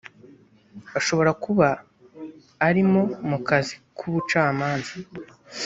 ashobora kuba arimo mu kazi k ubucamanza